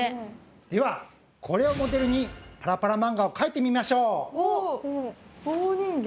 ではこれをモデルにパラパラ漫画をかいてみましょう！